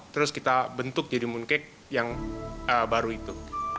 terus kita bentuk jadi mooncake yang baru itu